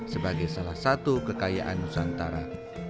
sebagai salah satu kekayaan nusantara